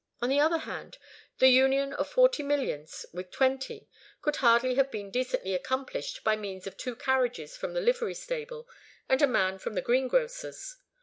On the other hand, the union of forty millions with twenty could hardly have been decently accomplished by means of two carriages from the livery stable and a man from the greengrocer's.